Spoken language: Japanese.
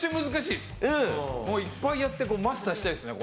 いっぱいやってマスターしたいですね。